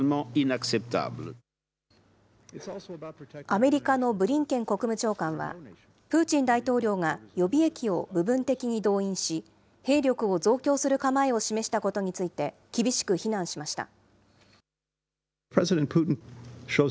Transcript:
アメリカのブリンケン国務長官は、プーチン大統領が予備役を部分的に動員し、兵力を増強する構えを示したことについて、厳しく非難しました。